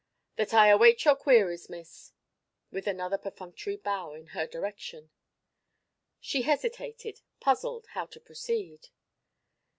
"That I await your queries, Miss," with another perfunctory bow in her direction. She hesitated, puzzled how to proceed.